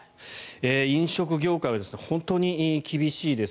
飲食業界は本当に厳しいです。